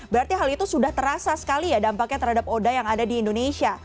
berarti hal itu sudah terasa sekali ya dampaknya terhadap oda yang ada di indonesia